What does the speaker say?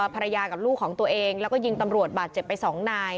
ภรรยากับลูกของตัวเองแล้วก็ยิงตำรวจบาดเจ็บไปสองนาย